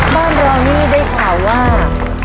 บ้านเรานี่ได้ข่าวว่า